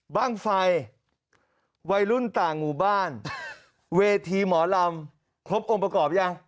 บ้างไฟวัยรุ่นต่างหมู่บ้านเวทีหมอลำครบองค์ประกอบยัง